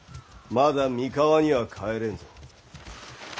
まだ三河には帰れんぞ。